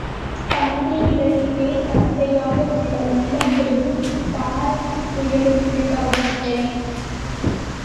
தந்தை இடத்திலே தந்தையாக உள்ள உங்களையும் தானாத் துயருக்குள்ளாக்கிவிட்டேன்.